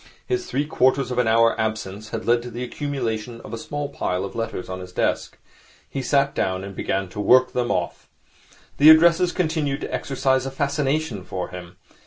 His three quarters of an hour absence had led to the accumulation of a small pile of letters on his desk. He sat down and began to work them off. The addresses continued to exercise a fascination for him.